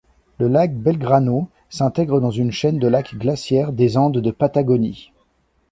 Le lac Belgrano s'intègre dans une chaîne de lacs glaciaires des Andes de Patagonie.